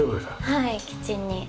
はいキッチンに。